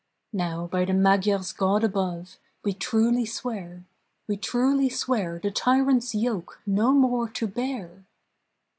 Now by the Magyar's God above We truly swear, We truly swear the tyrant's yoke No more to bear!